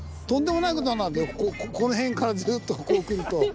とんでもないことになるよこの辺からずっとこう来ると。